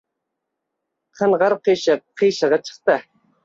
Qing‘ir ishning qiyig‘i chiqdi